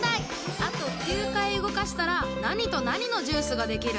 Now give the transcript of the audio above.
あと９かいうごかしたらなにとなにのジュースができる？